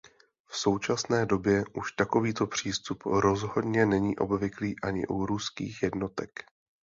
V současné době už takovýto přístup rozhodně není obvyklý ani u ruských jednotek.